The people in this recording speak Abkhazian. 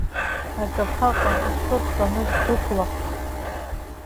Акаԥаҟа лхы рханы ддәықәлахт.